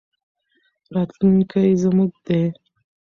راتلونکی زموږ دی.